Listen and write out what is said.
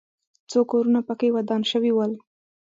څو کورونه پکې ودان شوي ول.